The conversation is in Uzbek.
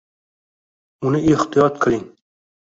Uni ehtiyot qiling